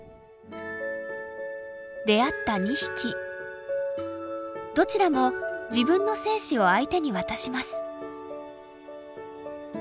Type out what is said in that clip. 出会った２匹どちらも自分の精子を相手に渡します。